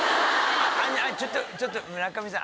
ああのちょっとちょっと村上さん。